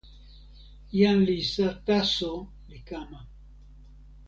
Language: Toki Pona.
jan Lisa taso li kama.